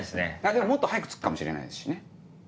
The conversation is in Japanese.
でももっと早く着くかもしれないですしね。